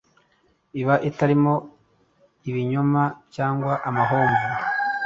iba itarimo ibinyoma cyangwa amahomvu,